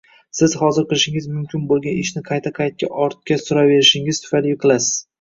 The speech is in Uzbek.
Siz hozir qilishingiz mumkin bo’lgan ishni qayta-qayta ortga suraverishingiz tufayli yiqilasiz